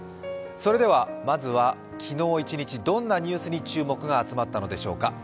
それではまずは昨日一日、どんなニュースに注目が集まったのでしょうか。